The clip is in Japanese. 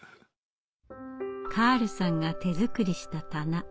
カールさんが手作りした棚。